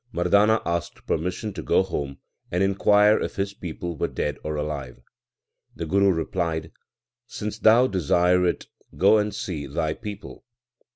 Mardana asked permission to go home and inquire if his people were dead or alive. The Guru replied, Since thou desire it, go and see thy people.